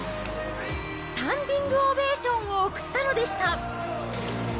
スタンディングオベーションを送ったのでした。